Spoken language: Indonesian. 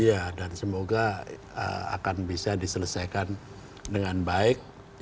iya dan semoga akan bisa diselesaikan dengan baik